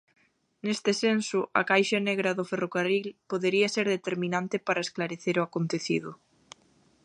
Neste senso, a caixa negra do ferrocarril podería ser determinante para esclarecer o acontecido.